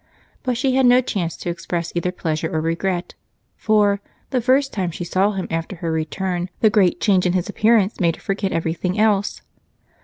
But she had no chance to express either pleasure or regret, for the first time she saw him after her return the great change in his appearance made her forget everything else.